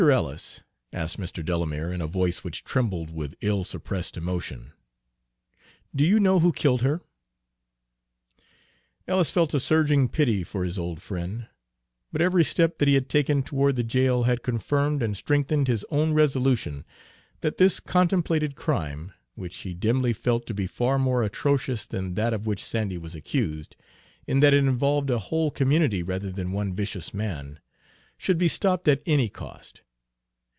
Ellis," asked Mr. Delamere, in a voice which trembled with ill suppressed emotion, "do you know who killed her?" Ellis felt a surging pity for his old friend; but every step that he had taken toward the jail had confirmed and strengthened his own resolution that this contemplated crime, which he dimly felt to be far more atrocious than that of which Sandy was accused, in that it involved a whole community rather than one vicious man, should be stopped at any cost.